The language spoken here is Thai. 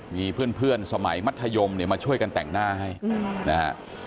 มีเพื่อนสมัยมัธยมเนี่ยมาช่วยกันแต่งหน้าให้นะฮะ